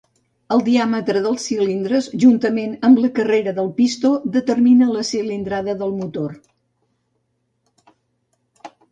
El diàmetre dels cilindres, juntament amb la carrera del pistó, determina la cilindrada del motor.